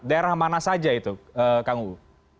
daerah mana saja itu kang uu